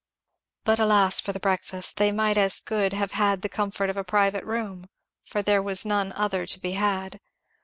But alas for the breakfast! They might as good have had the comfort of a private room, for there was none other to be had.